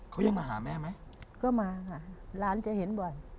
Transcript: เขายังมาหาแม่ไหมก็มาค่ะหลานจะเห็นบ่อย